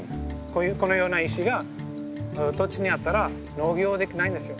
このような石が土地にあったら農業はできないんですよ。